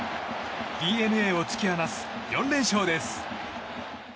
ＤｅＮＡを突き放す４連勝です。